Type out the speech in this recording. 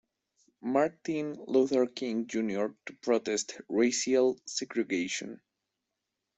Martin Luther King Junior to protest racial segregation.